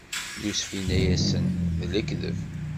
Yusef inna-yasen: D lekdeb!